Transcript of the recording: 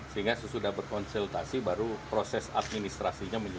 sehingga sesudah berkonsultasi baru proses administrasinya menjadi